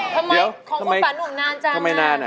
ทำไมของคุณป่านุ่มนานจังนาน